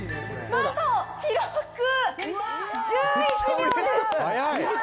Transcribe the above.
なんと記録、１１秒です。